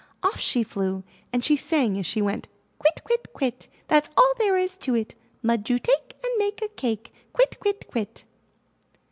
Off she flew and she sang as she went: ''Quit, quit, quit! That's all there is to it! Mud you take, And make a cake, Quit, quit, quit!"